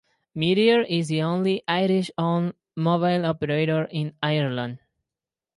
Meteor is the only Irish owned mobile operator in Ireland.